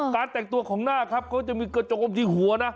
แต่งตัวของหน้าครับเขาจะมีกระโจมที่หัวนะ